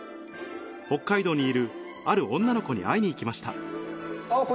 北海道にいるある女の子に会いに行きました